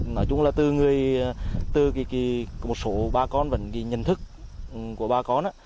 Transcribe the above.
nói chung là từ người từ một số ba con vẫn nhận thức của ba con á